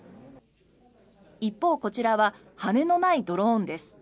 一方、こちらは羽根のないドローンです。